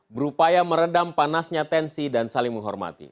berupaya meredam panasnya tensi dan saling menghormati